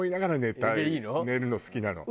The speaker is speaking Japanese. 寝るの好きなの。